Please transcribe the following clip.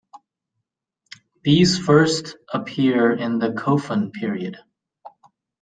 These first appear in the Kofun period.